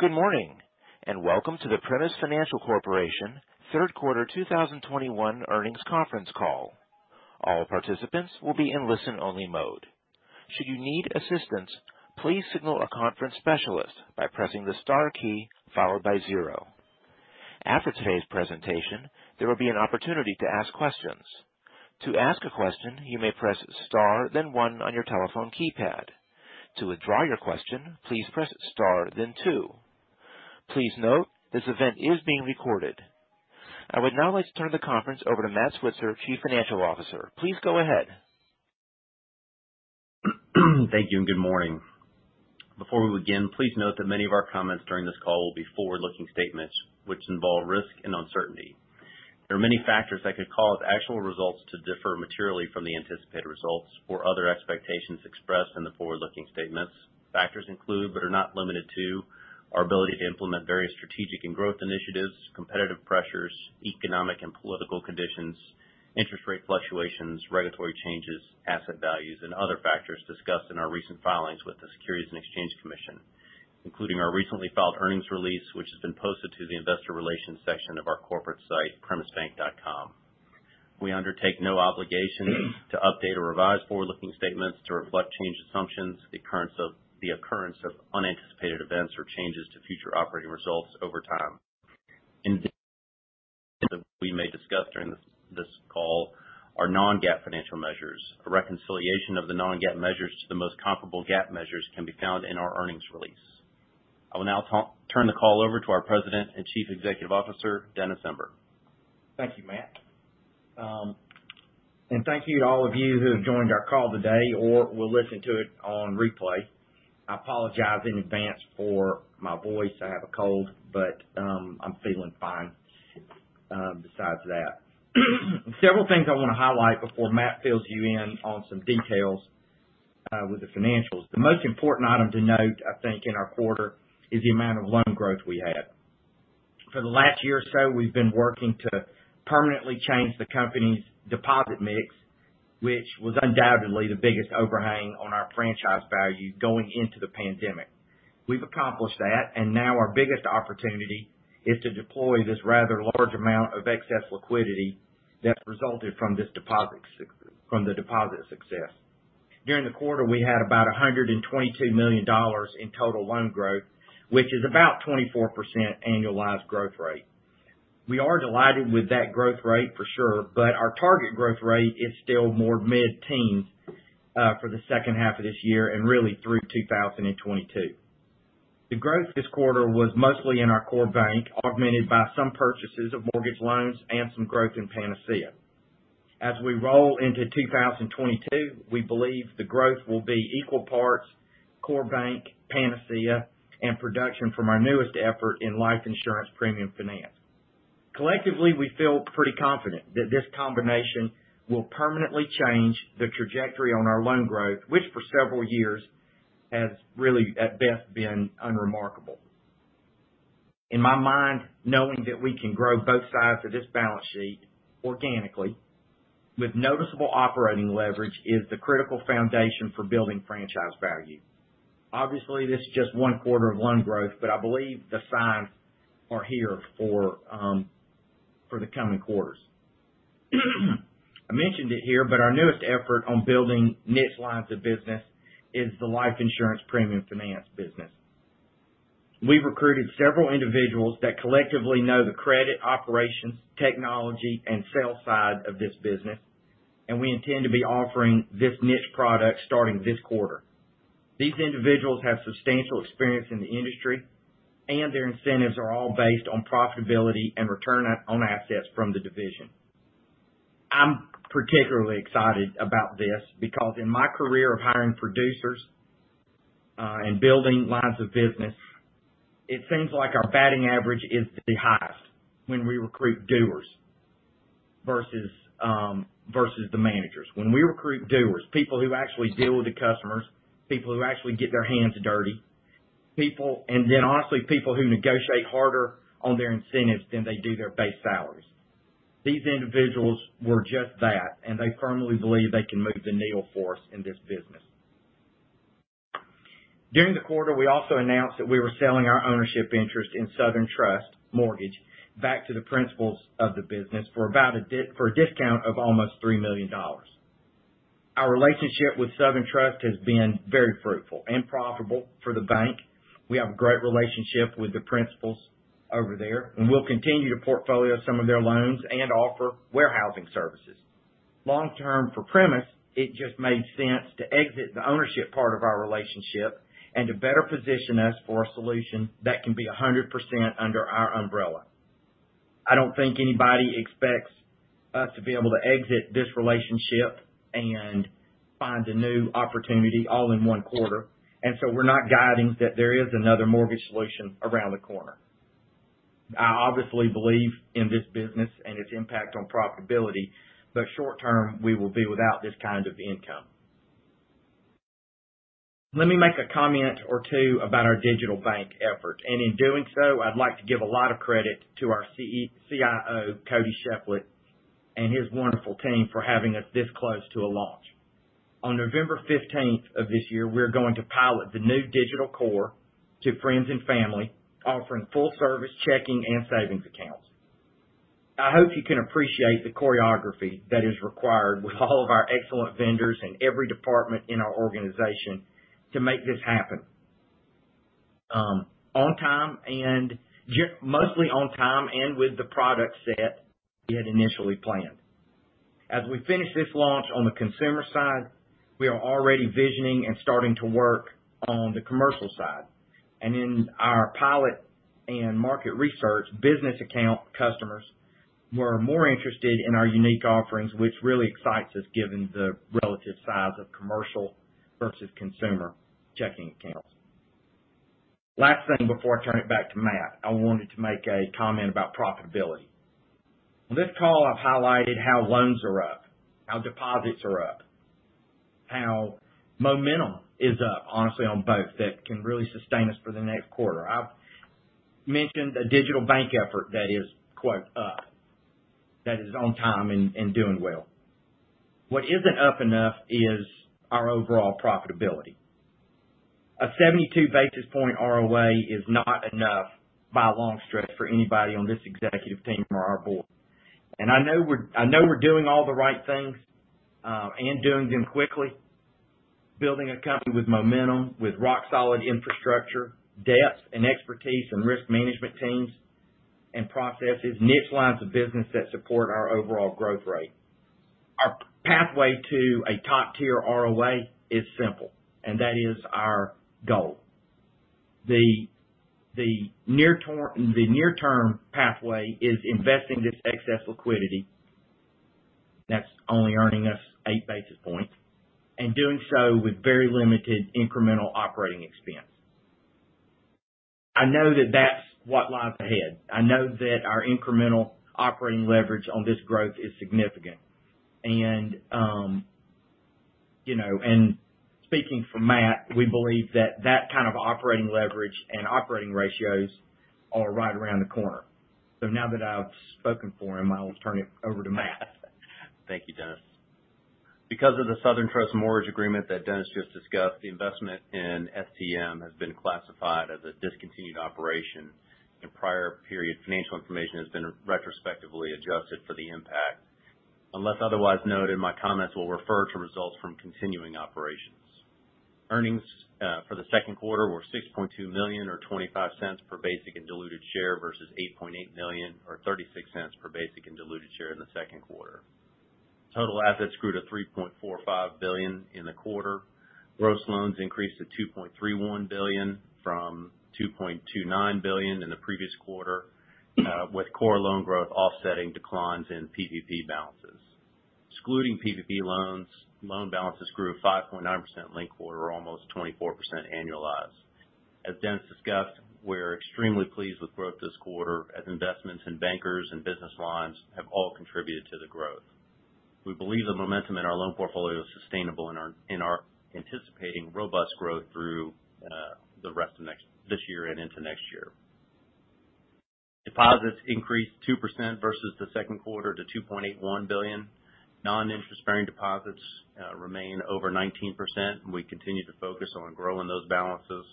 Good morning, and welcome to the Primis Financial Corp. third quarter 2021 earnings conference call. All participants will be in listen-only mode. Should you need assistance, please signal a conference specialist by pressing the star key followed by zero. After today's presentation, there will be an opportunity to ask questions. To ask a question, you may press star then one on your telephone keypad. To withdraw your question, please press star then two. Please note, this event is being recorded. I would now like to turn the conference over to Matt Switzer, Chief Financial Officer. Please go ahead. Thank you and good morning. Before we begin, please note that many of our comments during this call will be forward-looking statements which involve risk and uncertainty. There are many factors that could cause actual results to differ materially from the anticipated results or other expectations expressed in the forward-looking statements. Factors include, but are not limited to, our ability to implement various strategic and growth initiatives, competitive pressures, economic and political conditions, interest rate fluctuations, regulatory changes, asset values, and other factors discussed in our recent filings with the Securities and Exchange Commission, including our recently filed earnings release, which has been posted to the investor relations section of our corporate site, primisbank.com. We undertake no obligation to update or revise forward-looking statements to reflect changed assumptions, the occurrence of unanticipated events or changes to future operating results over time. In addition, we may discuss during this call our non-GAAP financial measures. A reconciliation of the non-GAAP measures to the most comparable GAAP measures can be found in our earnings release. I will now turn the call over to our President and Chief Executive Officer, Dennis Zember. Thank you, Matt. Thank you to all of you who have joined our call today or will listen to it on replay. I apologize in advance for my voice. I have a cold, but I'm feeling fine besides that. Several things I wanna highlight before Matt fills you in on some details with the financials. The most important item to note, I think, in our quarter, is the amount of loan growth we had. For the last year or so, we've been working to permanently change the company's deposit mix, which was undoubtedly the biggest overhang on our franchise value going into the pandemic. We've accomplished that, and now our biggest opportunity is to deploy this rather large amount of excess liquidity that resulted from this deposit success. During the quarter, we had about $122 million in total loan growth, which is about 24% annualized growth rate. We are delighted with that growth rate for sure, but our target growth rate is still more mid-teens for the second half of this year and really through 2022. The growth this quarter was mostly in our core bank, augmented by some purchases of mortgage loans and some growth in Panacea. As we roll into 2022, we believe the growth will be equal parts core bank, Panacea, and production from our newest effort in life insurance premium finance. Collectively, we feel pretty confident that this combination will permanently change the trajectory on our loan growth, which for several years has really at best been unremarkable. In my mind, knowing that we can grow both sides of this balance sheet organically with noticeable operating leverage is the critical foundation for building franchise value. Obviously, this is just one quarter of loan growth, but I believe the signs are here for the coming quarters. I mentioned it here, but our newest effort on building niche lines of business is the life insurance premium finance business. We've recruited several individuals that collectively know the credit, operations, technology, and sales side of this business, and we intend to be offering this niche product starting this quarter. These individuals have substantial experience in the industry, and their incentives are all based on profitability and return on assets from the division. I'm particularly excited about this because in my career of hiring producers, and building lines of business, it seems like our batting average is the highest when we recruit doers versus the managers. When we recruit doers, people who actually deal with the customers, people who actually get their hands dirty, people, and then honestly, people who negotiate harder on their incentives than they do their base salaries. These individuals were just that, and they firmly believe they can move the needle for us in this business. During the quarter, we also announced that we were selling our ownership interest in Southern Trust Mortgage back to the principals of the business for a discount of almost $3 million. Our relationship with Southern Trust has been very fruitful and profitable for the bank. We have a great relationship with the principals over there, and we'll continue to portfolio some of their loans and offer warehousing services. Long term for Primis, it just made sense to exit the ownership part of our relationship and to better position us for a solution that can be 100% under our umbrella. I don't think anybody expects us to be able to exit this relationship and find a new opportunity all in one quarter, and so we're not guiding that there is another mortgage solution around the corner. I obviously believe in this business and its impact on profitability, but short term, we will be without this kind of income. Let me make a comment or two about our digital bank effort, and in doing so, I'd like to give a lot of credit to our CIO, Cody Sheflett, and his wonderful team for having us this close to a launch. On November 15th of this year, we're going to pilot the new digital core to friends and family, offering full service checking and savings accounts. I hope you can appreciate the choreography that is required with all of our excellent vendors and every department in our organization to make this happen, on time and just mostly on time and with the product set we had initially planned. As we finish this launch on the consumer side, we are already visioning and starting to work on the commercial side. In our pilot and market research, business account customers were more interested in our unique offerings, which really excites us given the relative size of commercial versus consumer checking accounts. Last thing before I turn it back to Matt, I wanted to make a comment about profitability. On this call, I've highlighted how loans are up, how deposits are up, how momentum is up, honestly, on both, that can really sustain us for the next quarter. I've mentioned the digital bank effort that is, quote, up, that is on time and doing well. What isn't up enough is our overall profitability. A 72 basis point ROA is not enough by a long stretch for anybody on this executive team or our board. I know we're doing all the right things, and doing them quickly, building a company with momentum, with rock solid infrastructure, depth and expertise in risk management teams and processes, niche lines of business that support our overall growth rate. Our pathway to a top-tier ROA is simple, and that is our goal. The near-term pathway is investing this excess liquidity that's only earning us 8 basis points, and doing so with very limited incremental operating expense. I know that that's what lies ahead. I know that our incremental operating leverage on this growth is significant. You know, and speaking for Matt, we believe that that kind of operating leverage and operating ratios are right around the corner. Now that I've spoken for him, I will turn it over to Matt. Thank you, Dennis. Because of the Southern Trust Mortgage agreement that Dennis just discussed, the investment in STM has been classified as a discontinued operation. In prior period, financial information has been retrospectively adjusted for the impact. Unless otherwise noted, my comments will refer to results from continuing operations. Earnings for the second quarter were $6.2 million or $0.25 per basic and diluted share versus $8.8 million or $0.36 per basic and diluted share in the second quarter. Total assets grew to $3.45 billion in the quarter. Gross loans increased to $2.31 billion from $2.29 billion in the previous quarter with core loan growth offsetting declines in PPP balances. Excluding PPP loans, loan balances grew 5.9% linked quarter, almost 24% annualized. As Dennis discussed, we're extremely pleased with growth this quarter as investments in bankers and business lines have all contributed to the growth. We believe the momentum in our loan portfolio is sustainable and are anticipating robust growth through the rest of this year and into next year. Deposits increased 2% versus the second quarter to $2.81 billion. Non-interest bearing deposits remain over 19%, and we continue to focus on growing those balances.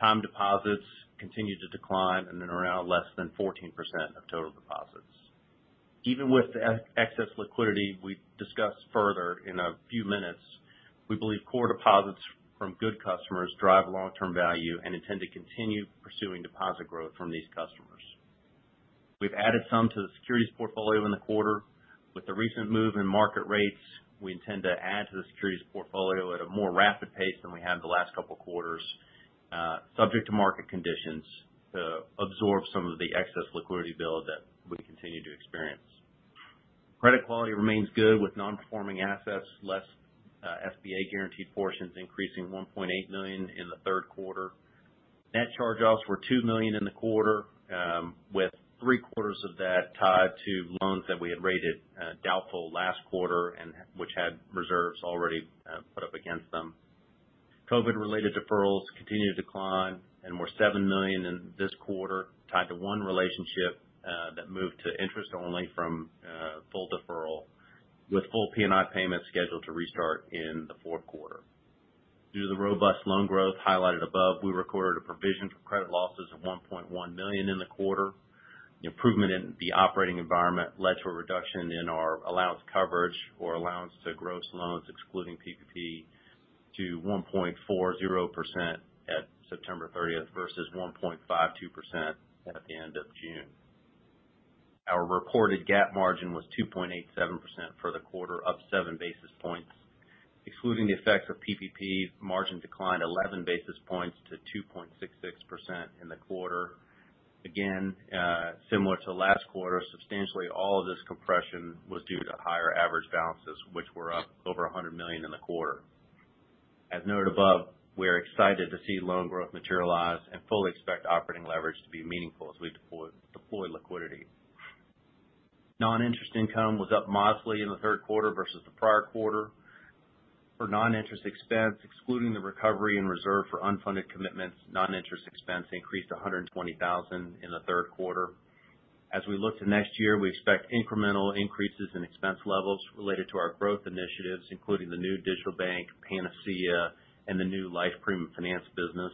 Time deposits continue to decline and are around less than 14% of total deposits. Even with the excess liquidity we discuss further in a few minutes, we believe core deposits from good customers drive long-term value and intend to continue pursuing deposit growth from these customers. We've added some to the securities portfolio in the quarter. With the recent move in market rates, we intend to add to the securities portfolio at a more rapid pace than we have the last couple quarters, subject to market conditions, to absorb some of the excess liquidity build that we continue to experience. Credit quality remains good, with nonperforming assets less SBA guaranteed portions increasing $1.8 million in the third quarter. Net charge-offs were $2 million in the quarter, with three-quarters of that tied to loans that we had rated doubtful last quarter and which had reserves already put up against them. COVID-related deferrals continue to decline and were $7 million in this quarter, tied to one relationship that moved to interest only from full deferral, with full P&I payments scheduled to restart in the fourth quarter. Due to the robust loan growth highlighted above, we recorded a provision for credit losses of $1.1 million in the quarter. Improvement in the operating environment led to a reduction in our allowance coverage or allowance to gross loans, excluding PPP, to 1.40% at September 30th versus 1.52% at the end of June. Our reported GAAP margin was 2.87% for the quarter, up 7 basis points. Excluding the effects of PPP, margin declined 11 basis points to 2.66% in the quarter. Again, similar to last quarter, substantially all of this compression was due to higher average balances, which were up over $100 million in the quarter. As noted above, we're excited to see loan growth materialize and fully expect operating leverage to be meaningful as we deploy liquidity. Non-interest income was up modestly in the third quarter versus the prior quarter. For non-interest expense, excluding the recovery and reserve for unfunded commitments, non-interest expense increased to $120,000 in the third quarter. As we look to next year, we expect incremental increases in expense levels related to our growth initiatives, including the new digital bank, Panacea, and the new life premium finance business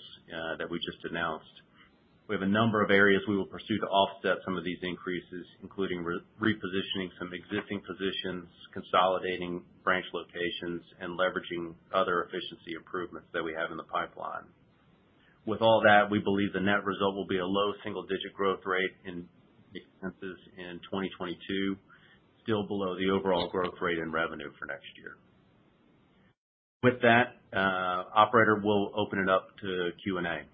that we just announced. We have a number of areas we will pursue to offset some of these increases, including repositioning some existing positions, consolidating branch locations, and leveraging other efficiency improvements that we have in the pipeline. With all that, we believe the net result will be a low single-digit growth rate in expenses in 2022, still below the overall growth rate in revenue for next year. With that, operator, we'll open it up to Q&A.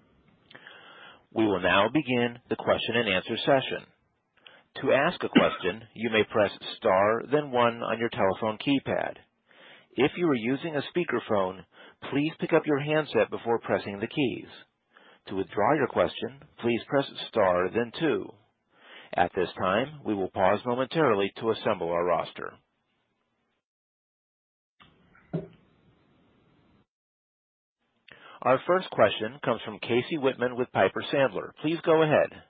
We will now begin the question-and-answer session. To ask a question, you may press star then one on your telephone keypad. If you are using a speakerphone, please pick up your handset before pressing the keys. To withdraw your question, please press star then two. At this time, we will pause momentarily to assemble our roster. Our first question comes from Casey Whitman with Piper Sandler. Please go ahead.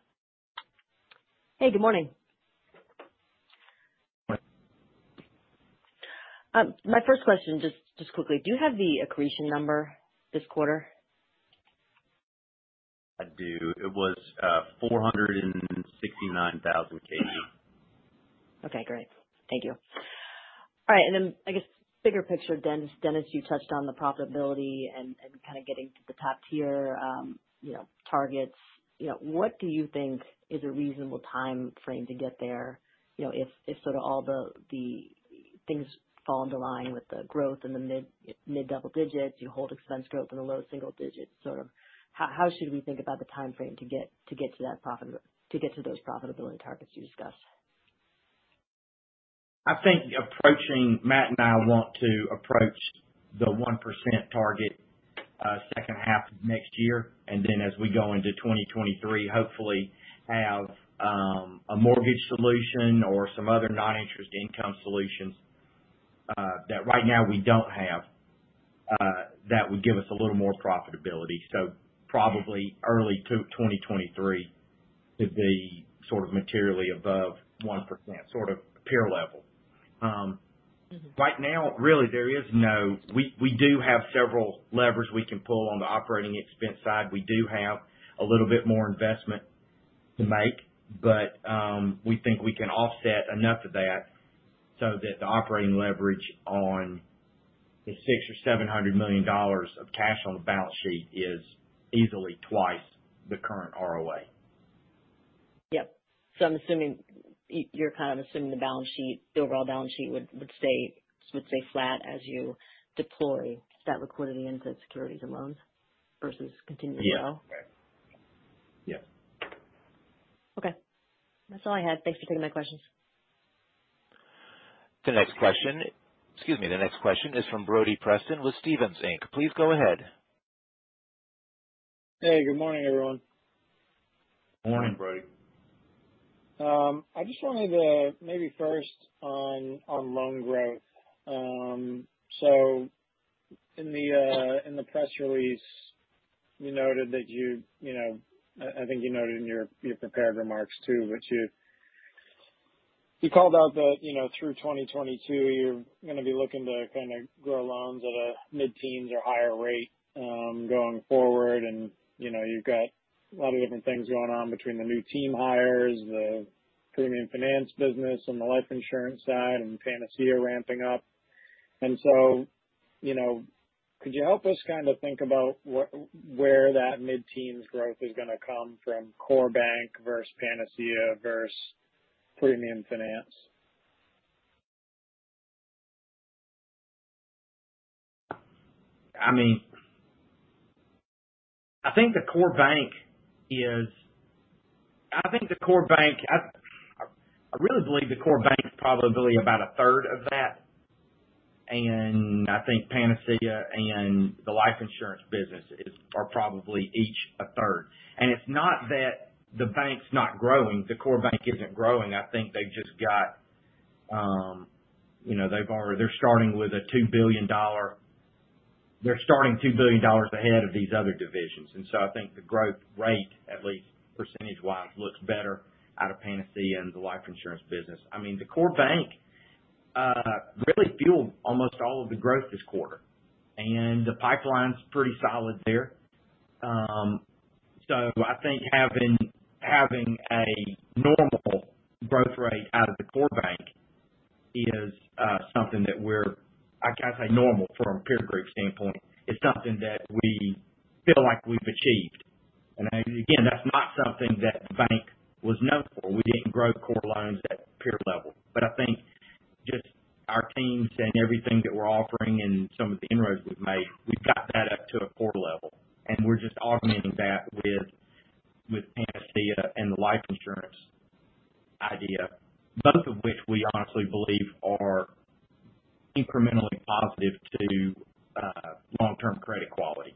Hey, good morning. Morning. My first question, just quickly, do you have the accretion number this quarter? I do. It was $469,000, Casey. Okay, great. Thank you. All right, then I guess bigger picture, Dennis, you touched on the profitability and kind of getting to the top tier, you know, targets. You know, what do you think is a reasonable timeframe to get there? You know, if sort of all the things fall into line with the growth in the mid double digits, you hold expense growth in the low single digits, sort of how should we think about the timeframe to get to those profitability targets you discussed? Matt and I want to approach the 1% target second half of next year, and then as we go into 2023, hopefully have a mortgage solution or some other non-interest income solutions that right now we don't have that would give us a little more profitability. Probably early to 2023 to be sort of materially above 1%, sort of peer level. Right now, really there is no. We do have several levers we can pull on the operating expense side. We do have a little bit more investment to make, but we think we can offset enough of that so that the operating leverage on the $600 million-$700 million of cash on the balance sheet is easily twice the current ROA. Yep. I'm assuming you're kind of assuming the balance sheet, the overall balance sheet would stay flat as you deploy that liquidity into the securities and loans versus continue to grow? Yeah. Okay. That's all I had. Thanks for taking my questions. Excuse me, the next question is from Brody Preston with Stephens Inc. Please go ahead. Hey, good morning, everyone. Morning, Brody. I just wanted to maybe first on loan growth. So in the press release, you noted that, you know, I think you noted in your prepared remarks, too, that you called out that, you know, through 2022, you're gonna be looking to kinda grow loans at a mid-teens or higher rate, going forward. You know, you've got a lot of different things going on between the new team hires, the premium finance business on the life insurance side, and Panacea ramping up. You know, could you help us kind of think about where that mid-teens growth is gonna come from core bank versus Panacea versus premium finance? I mean, I really believe the core bank is probably about a third of that. I think Panacea and the life insurance business is, are probably each a third. It's not that the bank's not growing, the core bank isn't growing. I think they've just got, you know, they're starting $2 billion ahead of these other divisions. I think the growth rate, at least percentage-wise, looks better out of Panacea and the life insurance business. I mean, the core bank really fueled almost all of the growth this quarter, and the pipeline's pretty solid there. I think having a normal growth rate out of the core bank is something that we're... I say normal from a peer group standpoint. It's something that we feel like we've achieved. Again, that's not something that the bank was known for. We didn't grow core loans at peer level. I think just our teams and everything that we're offering and some of the inroads we've made, we've got that up to a quarter level. We're just augmenting that with Panacea and the life insurance idea, both of which we honestly believe are incrementally positive to long-term credit quality.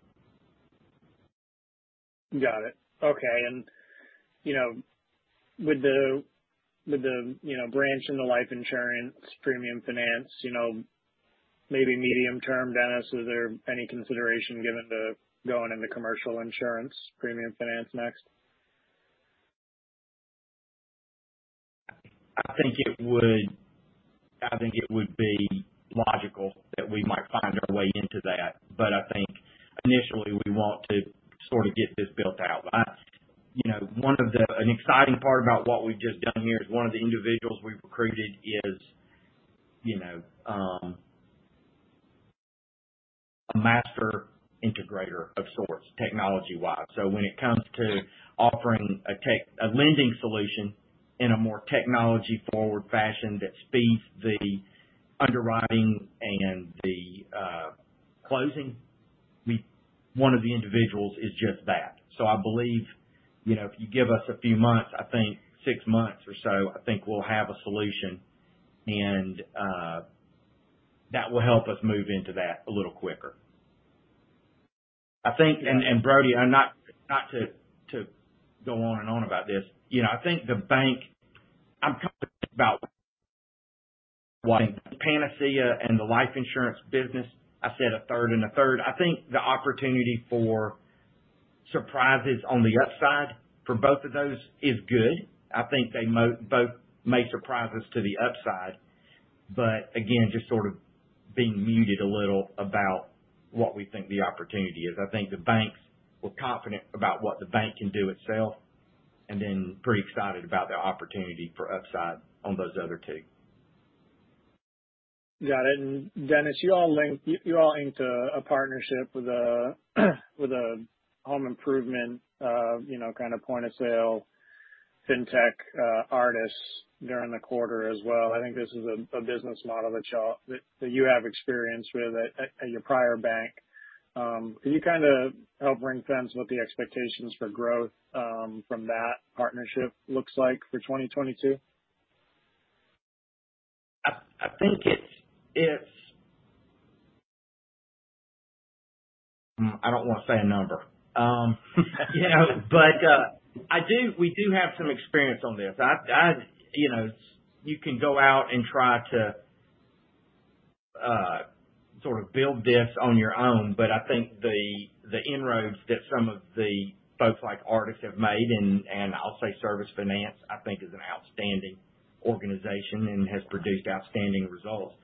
Got it. Okay. You know, with the branch in the life insurance premium finance, you know. Maybe medium term, Dennis, is there any consideration given to going into commercial insurance premium finance next? I think it would be logical that we might find our way into that. I think initially we want to sort of get this built out. You know, an exciting part about what we've just done here is one of the individuals we've recruited is, you know, a master integrator of sorts, technology-wise. When it comes to offering a lending solution in a more technology forward fashion that speeds the underwriting and the closing, one of the individuals is just that. I believe, you know, if you give us a few months, I think six months or so, I think we'll have a solution and that will help us move into that a little quicker. I think, Brody, I'm not to go on and on about this. You know, I think the bank. I'm confident about one, Panacea and the life insurance business. I said a third and a third. I think the opportunity for surprises on the upside for both of those is good. I think they both may surprise us to the upside. Again, just sort of being muted a little about what we think the opportunity is. I think the banks. We're confident about what the bank can do itself, and then pretty excited about the opportunity for upside on those other two. Got it. Dennis, you all inked a partnership with a home improvement, you know, kind of point of sale, fintech, Artis during the quarter as well. I think this is a business model that y'all have experience with at your prior bank. Can you kinda help ring fence what the expectations for growth from that partnership looks like for 2022? I think it's. I don't wanna say a number. You know, but we do have some experience on this. You know, you can go out and try to sort of build this on your own, but I think the inroads that some of the folks like Artis have made and I'll say Service Finance. I think is an outstanding organization and has produced outstanding results,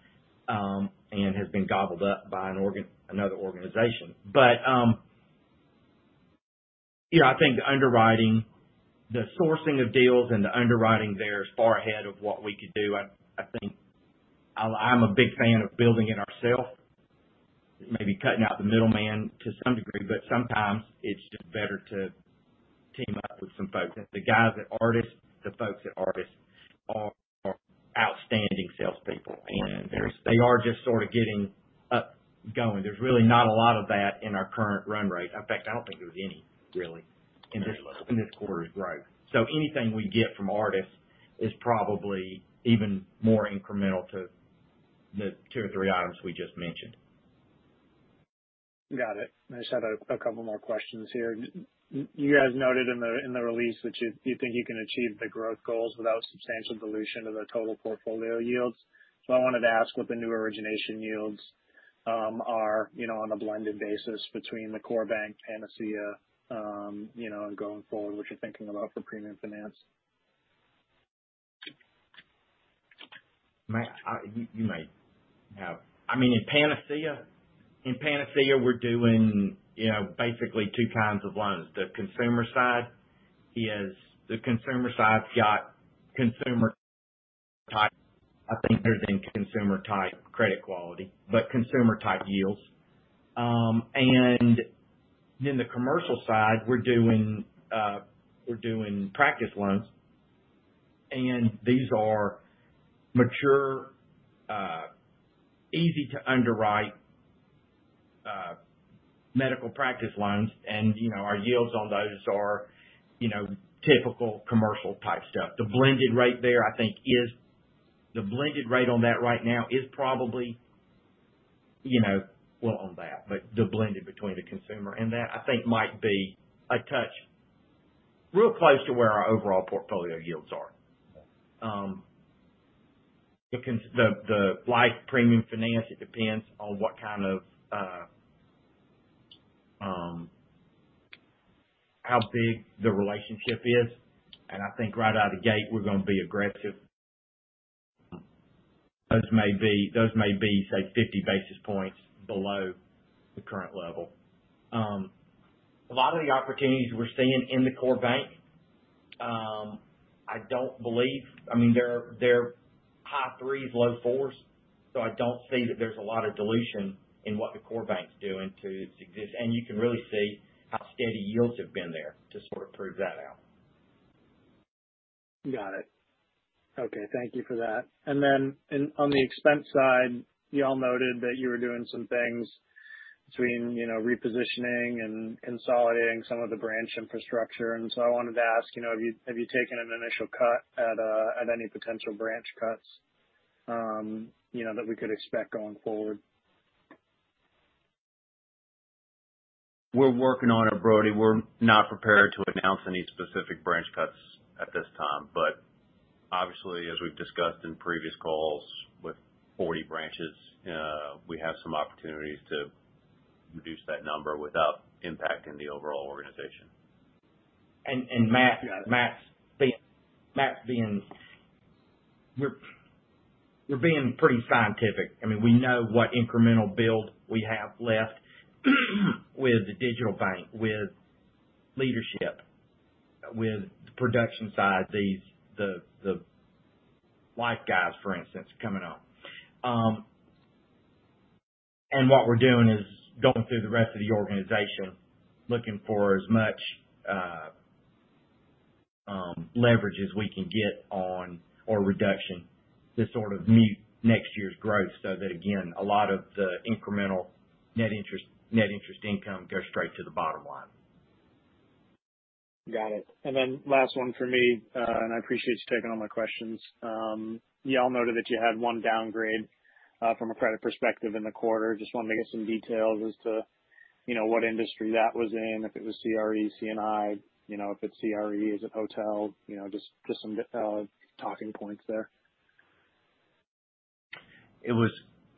and has been gobbled up by another organization. You know, I think the underwriting, the sourcing of deals and the underwriting there is far ahead of what we could do. I think I'm a big fan of building it ourselves, maybe cutting out the middleman to some degree, but sometimes it's just better to team up with some folks. The guys at Artis, the folks at Artis are outstanding salespeople, and they are just sort of getting up and going. There's really not a lot of that in our current run rate. In fact, I don't think there's any really in this quarter's growth. So anything we get from Artis is probably even more incremental to the two or three items we just mentioned. Got it. I just had a couple more questions here. You guys noted in the release that you think you can achieve the growth goals without substantial dilution of the total portfolio yields. I wanted to ask what the new origination yields are, you know, on a blended basis between the core bank Panacea, you know, and going forward, what you're thinking about for premium finance. I mean, in Panacea, we're doing, you know, basically two kinds of loans. The consumer side's got consumer type, I think better than consumer type credit quality, but consumer type yields. Then the commercial side, we're doing practice loans, and these are mature, easy to underwrite, medical practice loans. You know, our yields on those are, you know, typical commercial type stuff. The blended rate there, I think, is the blended rate on that right now is probably, but the blended between the consumer and that, I think might be a touch real close to where our overall portfolio yields are. The life premium finance, it depends on what kind of how big the relationship is, and I think right out of the gate, we're gonna be aggressive. Those may be, say, 50 basis points below the current level. A lot of the opportunities we're seeing in the core bank, I don't believe. I mean, they're high threes, low fours, so I don't see that there's a lot of dilution in what the core bank's doing to this. You can really see how steady yields have been there to sort of prove that out. Got it. Okay, thank you for that. On the expense side, y'all noted that you were doing some things between, you know, repositioning and consolidating some of the branch infrastructure. I wanted to ask, you know, have you taken an initial cut at any potential branch cuts, you know, that we could expect going forward? We're working on it, Brody. We're not prepared to announce any specific branch cuts at this time. Obviously, as we've discussed in previous calls, with 40 branches, we have some opportunities to reduce that number without impacting the overall organization. Matt's being... We're being pretty scientific. I mean, we know what incremental build we have left with the digital bank, with leadership, with the production side, the life guys, for instance, coming on. What we're doing is going through the rest of the organization, looking for as much leverage as we can get on or reduction to sort of mute next year's growth so that, again, a lot of the incremental net interest income goes straight to the bottom line. Got it. Last one for me, and I appreciate you taking all my questions. Y'all noted that you had one downgrade from a credit perspective in the quarter. I just want to get some details as to, you know, what industry that was in, if it was CRE, C&I, you know, if it's CRE, is it hotel. You know, just some talking points there.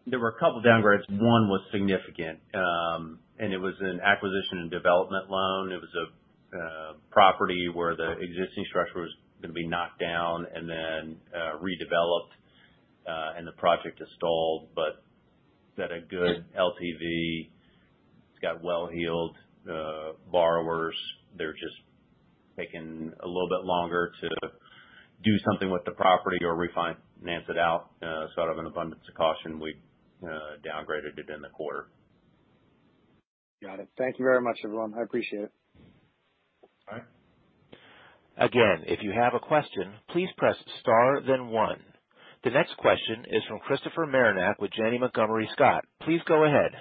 There were a couple downgrades. One was significant, and it was an acquisition and development loan. It was a property where the existing structure was gonna be knocked down and then redeveloped, and the project is stalled, but at a good LTV. It's got well-heeled borrowers. They're just taking a little bit longer to do something with the property or refinance it out. Sort of an abundance of caution, we downgraded it in the quarter. Got it. Thank you very much, everyone. I appreciate it. All right. Again, if you have a question, please press star then one. The next question is from Christopher Marinac with Janney Montgomery Scott. Please go ahead.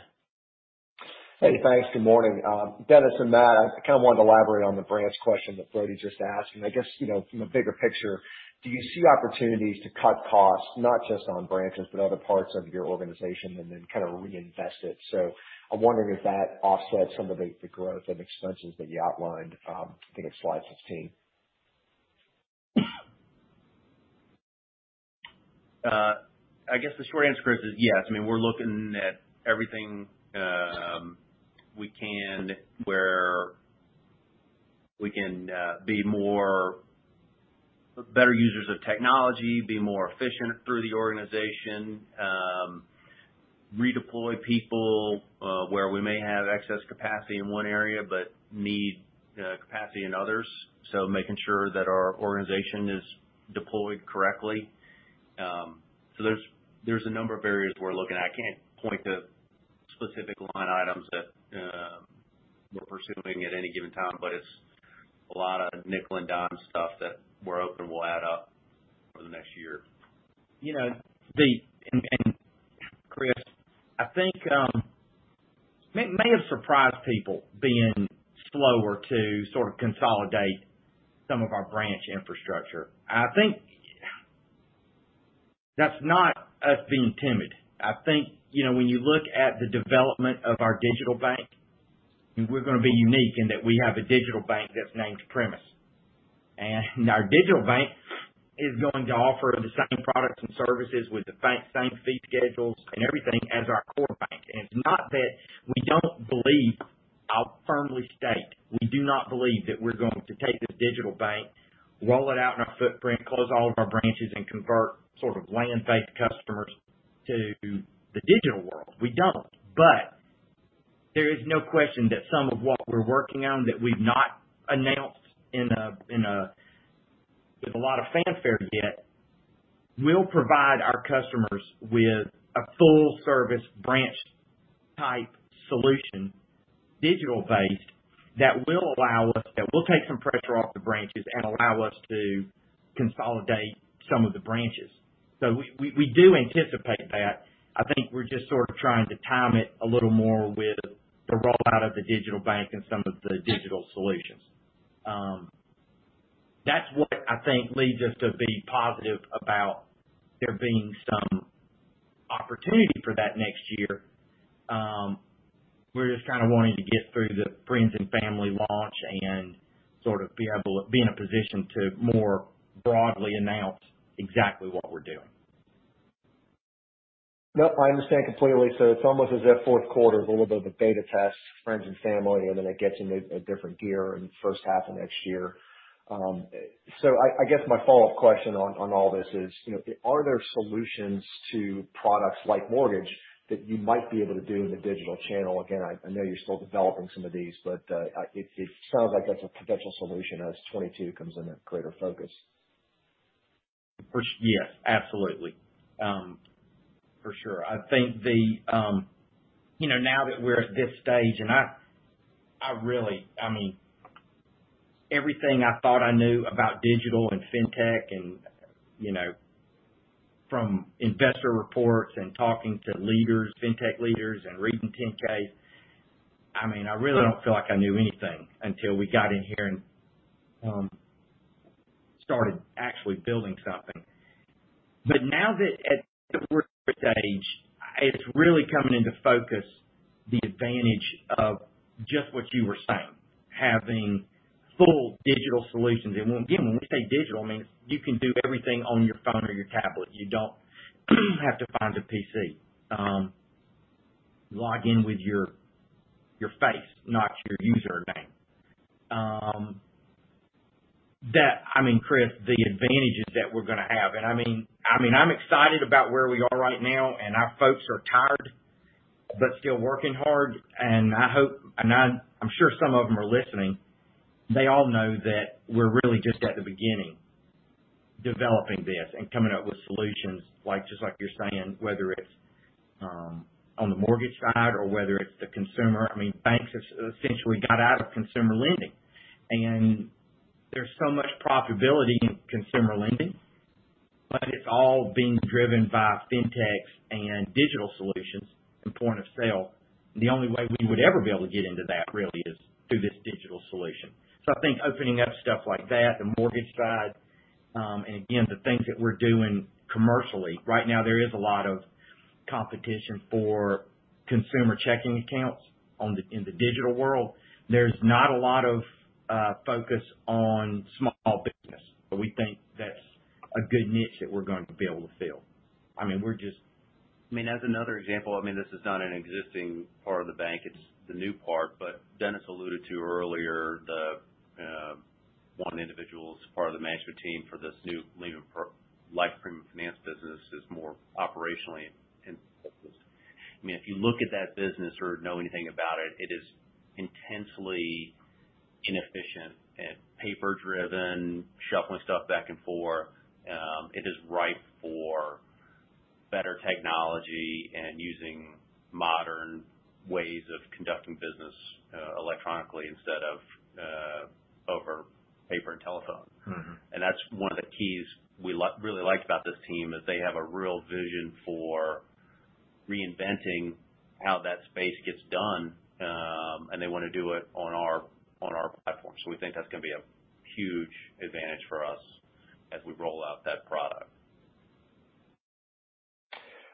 Hey, thanks. Good morning. Dennis and Matt, I kind of wanted to elaborate on the branch question that Brody just asked. I guess, you know, from a bigger picture, do you see opportunities to cut costs, not just on branches, but other parts of your organization and then kind of reinvest it? I'm wondering if that offsets some of the growth of expenses that you outlined, I think in slide 16. I guess the short answer, Chris, is yes. I mean, we're looking at everything we can, where we can be more better users of technology, be more efficient through the organization, redeploy people where we may have excess capacity in one area but need capacity in others, so making sure that our organization is deployed correctly. There's a number of areas we're looking at. I can't point to specific line items that we're pursuing at any given time, but it's a lot of nickel and dime stuff that we're hoping will add up over the next year. You know, Chris, I think we may have surprised people being slower to sort of consolidate some of our branch infrastructure. I think that's not us being timid. I think, you know, when you look at the development of our digital bank, we're gonna be unique in that we have a digital bank that's named Primis. Our digital bank is going to offer the same products and services with the same fee schedules and everything as our core bank. It's not that we don't believe. I'll firmly state, we do not believe that we're going to take this digital bank, roll it out in our footprint, close all of our branches and convert sort of land-based customers to the digital world. We don't. There is no question that some of what we're working on that we've not announced with a lot of fanfare yet will provide our customers with a full service branch type solution, digital based, that will take some pressure off the branches and allow us to consolidate some of the branches. We do anticipate that. I think we're just sort of trying to time it a little more with the rollout of the digital bank and some of the digital solutions. That's what I think leads us to be positive about there being some opportunity for that next year. We're just kind of wanting to get through the friends and family launch and sort of be able to be in a position to more broadly announce exactly what we're doing. Nope, I understand completely. It's almost as if fourth quarter is a little bit of a beta test, friends and family, and then it gets into a different gear in the first half of next year. I guess my follow-up question on all this is, you know, are there solutions to products like mortgage that you might be able to do in the digital channel? Again, I know you're still developing some of these, but it sounds like that's a potential solution as 2022 comes into greater focus. Yes, absolutely. For sure. I think you know, now that we're at this stage and I really, I mean, everything I thought I knew about digital and fintech and you know, from investor reports and talking to leaders, fintech leaders and reading 10-Ks, I mean, I really don't feel like I knew anything until we got in here and started actually building something. Now that at the stage, it's really coming into focus the advantage of just what you were saying, having full digital solutions. When, again, when we say digital, it means you can do everything on your phone or your tablet. You don't have to find a PC, log in with your face, not your username. I mean, Chris, the advantages that we're gonna have, and I mean, I'm excited about where we are right now, and our folks are tired, but still working hard. I hope, I'm sure some of them are listening. They all know that we're really just at the beginning developing this and coming up with solutions like, just like you're saying, whether it's on the mortgage side or whether it's the consumer. I mean, banks essentially got out of consumer lending, and there's so much profitability in consumer lending, but it's all being driven by fintechs and digital solutions and point of sale. The only way we would ever be able to get into that really is through this digital solution. I think opening up stuff like that, the mortgage side, and again, the things that we're doing commercially. Right now there is a lot of competition for consumer checking accounts in the digital world. There's not a lot of focus on small business. We think that's a good niche that we're going to be able to fill. I mean, we're just. I mean, as another example, I mean, this is not an existing part of the bank, it's the new part. Dennis alluded to earlier the one individual's part of the management team for this new lending life premium finance business is more operationally in focus. I mean, if you look at that business or know anything about it is intensely inefficient and paper driven, shuffling stuff back and forth. It is ripe for better technology and using modern ways of conducting business electronically instead of over paper and telephone. That's one of the keys we really liked about this team, is they have a real vision for reinventing how that space gets done, and they wanna do it on our platform. We think that's gonna be a huge advantage for us as we roll out that product.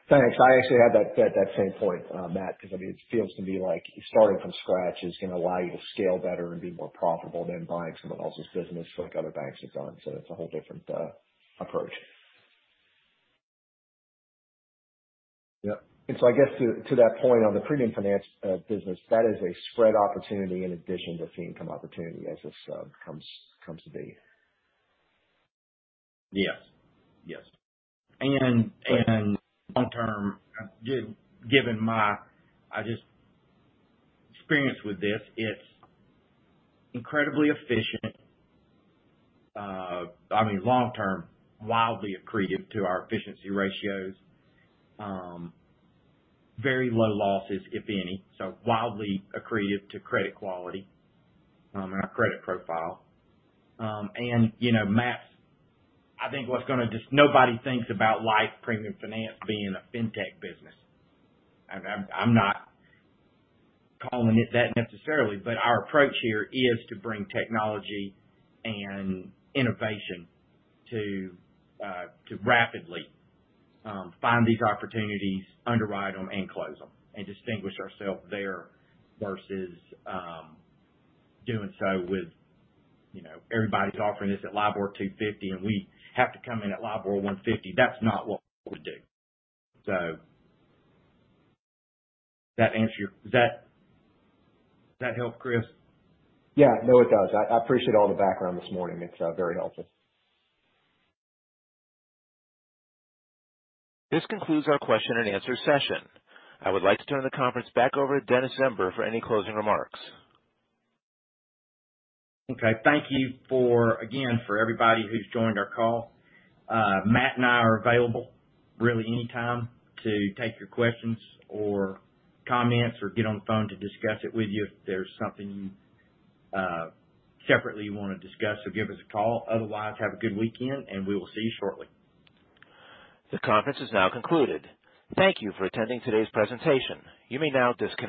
Thanks. I actually had that same point, Matt, 'cause I mean, it feels to me like starting from scratch is gonna allow you to scale better and be more profitable than buying someone else's business like other banks have done. It's a whole different approach. I guess to that point on the premium finance business, that is a spread opportunity in addition to a fee income opportunity as this comes to be. Yes. And long term, given my just experience with this, it's incredibly efficient. I mean long term, wildly accretive to our efficiency ratios. Very low losses, if any. Wildly accretive to credit quality and our credit profile. You know, Matt, I think nobody thinks about life premium finance being a fintech business. I'm not calling it that necessarily, but our approach here is to bring technology and innovation to rapidly find these opportunities, underwrite them, and close them, and distinguish ourselves there versus doing so with, you know, everybody's offering this at LIBOR 250, and we have to come in at LIBOR 150. That's not what we do. Does that help, Chris? Yeah. No, it does. I appreciate all the background this morning. It's very helpful. This concludes our question-and-answer session. I would like to turn the conference back over to Dennis Zember for any closing remarks. Okay. Thank you again for everybody who's joined our call. Matt and I are available really anytime to take your questions or comments or get on the phone to discuss it with you if there's something separately you wanna discuss. Give us a call. Otherwise, have a good weekend, and we will see you shortly. The conference is now concluded. Thank you for attending today's presentation. You may now disconnect.